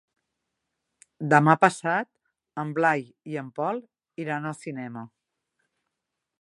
Demà passat en Blai i en Pol iran al cinema.